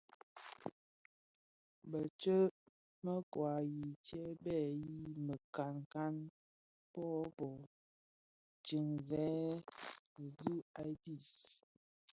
Betceu mekoai chi bé yii mikankan, bố chi bộ, ntuňzèn di dhim a dis,